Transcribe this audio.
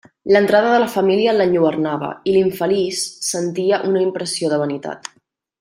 L'entrada de la família l'enlluernava, i l'infeliç sentia una impressió de vanitat.